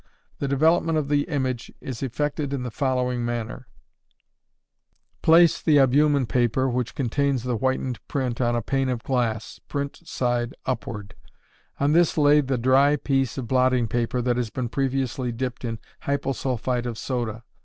The development of the image is effected in the following manner: place the albumen paper which contains the whitened print on a pane of glass, print side upward; on this lay the dry piece of blotting paper that has been previously dipped in hyposulphite of soda.